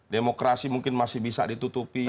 demokrasi mungkin masih bisa ditutupi